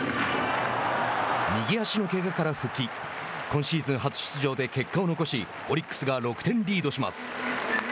右足のけがから復帰今シーズン初出場で結果を残しオリックスが６点リードします。